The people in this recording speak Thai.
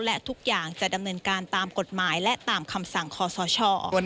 และทุกอย่างจะดำเนินการตามกฎหมายและตามคำสั่งคอสช